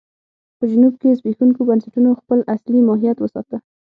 په جنوب کې زبېښونکو بنسټونو خپل اصلي ماهیت وساته.